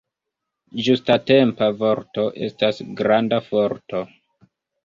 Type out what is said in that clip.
Ĝustatempa vorto estas granda forto.